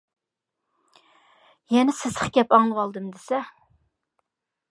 يەنە سېسىق گەپ ئاڭلىۋالدىم دېسە.